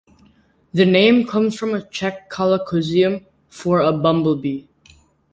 The name comes from a Czech colloquialism for a bumblebee.